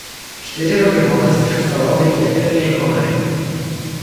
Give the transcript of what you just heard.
Čtyři roky poté se však stala obětí epidemie cholery.